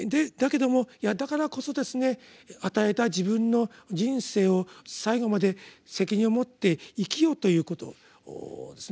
だけどもいやだからこそですね与えた自分の人生を最後まで責任を持って生きよということ。